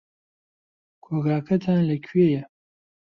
کۆگاکەتان لەکوێیە؟